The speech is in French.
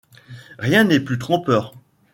Rien n’est plus trompeur.